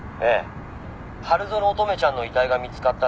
春薗乙女ちゃんの遺体が見つかった直後の事です」